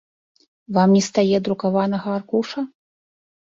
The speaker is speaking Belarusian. Вам не стае друкаванага аркуша?